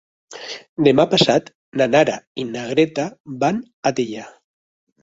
Demà passat na Nara i na Greta van a Teià.